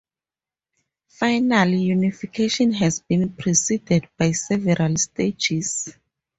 Final unification has been preceded by several stages.